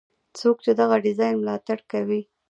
څوک چې دغه ډیزاین ملاتړ کوي.